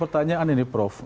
jadi pertanyaan ini prof